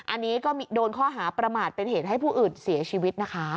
อันนี้ก็โดนข้อหาประมาทเป็นเหตุให้ผู้อื่นเสียชีวิตนะคะ